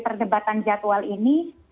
perdebatan jadwal ini